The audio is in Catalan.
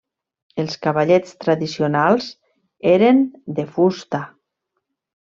Els cavallets tradicionals eren de fusta.